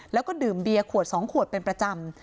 แล้วก็ดื่มเบียร์ขวด๒ขวดเป็นประจำ